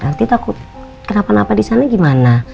artinya takut kenapa napa di sana gimana